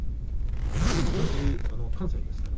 同じ関西ですから。